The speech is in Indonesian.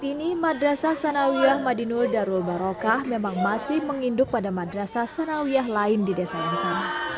saat ini madrasah sanawiah madinul darul barokah memang masih menginduk pada madrasah sanawiah lain di desa yang sama